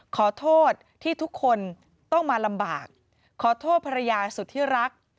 ขอโทษที่ทุกคนต้องมาลำบากขอโทษภรรยาสุธิรัก